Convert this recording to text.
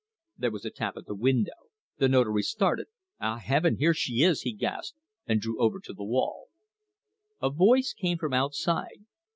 There was a tap at the window. The Notary started. "Ah, Heaven, here she is!" he gasped, and drew over to the wall. A voice came from outside.